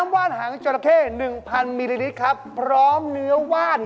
น้ำว่านหางจทศรภาพศพร้อมเนื้อว่าน